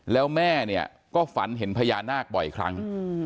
แล้วแม่เนี่ยก็ฝันเห็นพญานาคบ่อยครั้ง